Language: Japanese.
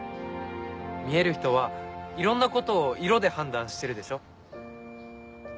見える人はいろんなことを色で判断してるでしょ？